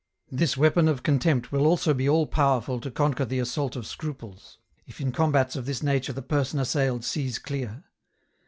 "This weapon of contempt will be also all powerful to EN ROUTE. 255 conquer the assault of scruples, if in combats of this nature the person assailed sees clear.